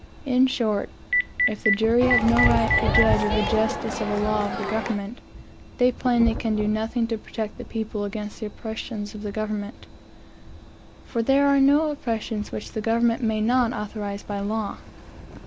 In short, if the jury have no right to judge of the justice of a law of the government, they plainly can do nothing to protect the people against the oppressions of the government; for there are no oppressions which the government may not authorize by law.